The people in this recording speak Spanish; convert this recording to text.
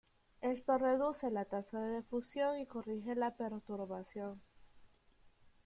Esto reduce la tasa de fusión y corrige la perturbación.